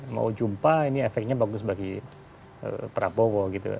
mau jumpa ini efeknya bagus bagi prabowo gitu